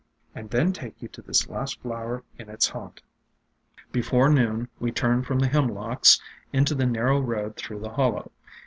and then take you to this last flower in its haunt." Before noon we turned from the Hemlocks into AFTERMATH 329 the narrow road through the hollow.